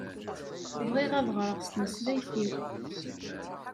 Bɣiɣ ad ɣreɣ s tmeslayt-iw.